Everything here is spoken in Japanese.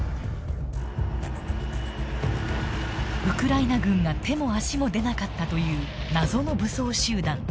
ウクライナ軍が手も足も出なかったという謎の武装集団。